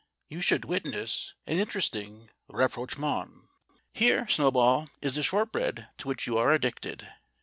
You should witness an interesting rapprochement. Here, Snow ball, is the shortbread to which you are addicted.